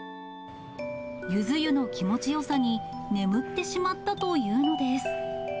ゆず湯の気持ちよさに眠ってしまったというのです。